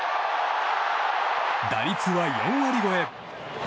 打率は４割超え。